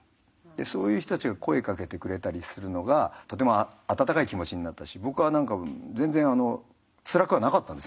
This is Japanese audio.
そういう人たちが声かけてくれたりするのがとても温かい気持ちになったし僕は何か全然つらくはなかったんですねだから。